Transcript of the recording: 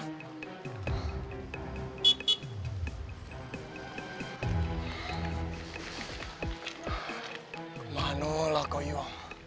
kemana lah kau yu